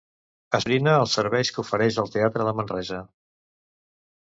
Esbrina els serveis que ofereix el teatre de Manresa.